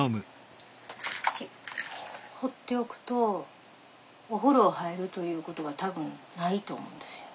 放っておくとお風呂入るという事は多分ないと思うんですよ。